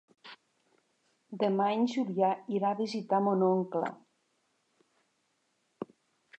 Demà en Julià irà a visitar mon oncle.